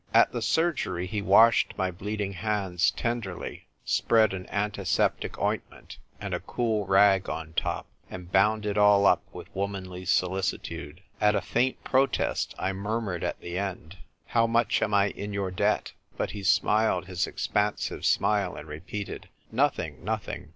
At the surgery, he washed my bleeding hands tenderly, spread an antiseptic ointment and a cool rag on top, and bound it all up with womanly solicitude. As a faint protest, I murmured at the end :" How much am I CALLED " OF ACCIDENTS." 93 in your debt ?" But he smiled his expansive smile, and repeated, " Nothing, nothing